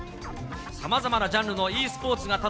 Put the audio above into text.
さまざまなジャンルのｅスポですが。